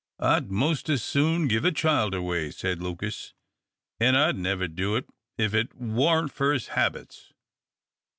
"I'd most as soon give a child away," said Lucas, "an' I'd never do it, if it warn't for his habits.